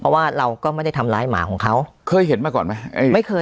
เพราะว่าเราก็ไม่ได้ทำร้ายหมาของเขาเคยเห็นมาก่อนไหมไม่เคย